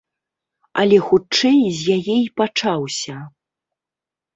Але, хутчэй, з яе і пачаўся.